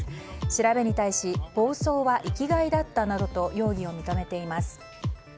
調べに対し暴走は生きがいだったなどと容疑を認めています。